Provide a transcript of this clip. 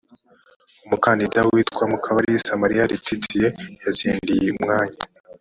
umukandida witwa mukabalisa marie laetitia yatsindiye umwanya.